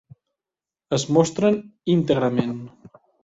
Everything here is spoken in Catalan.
Es mostren íntegrament.